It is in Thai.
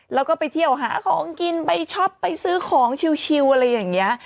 แล้วก็ไปเที่ยวหาของกินไปช็อปไปซื้อของชิวอะไรอย่างนี้